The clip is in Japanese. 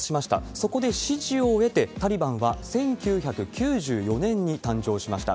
そこで支持を得て、タリバンは１９９４年に誕生しました。